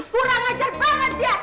kurang ngajar banget dia